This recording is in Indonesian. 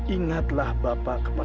ingatlah bapak kemarin